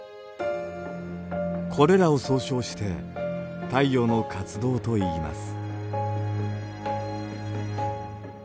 これらを総称して太陽の活動といいます。